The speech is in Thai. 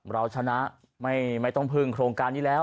เราชนะไม่ต้องพึ่งโครงการนี้แล้ว